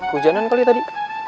hujanan kali tadi